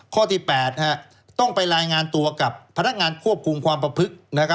ข้อที่๘ต้องไปรายงานตัวกับพนักงานควบคุมความประพฤติ